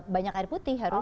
banyak air putih harus